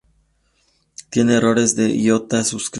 Tiene errores de iota suscrita.